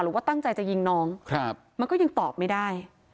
หรือว่าตั้งใจจะยิงน้องมันก็ยังตอบไม่ได้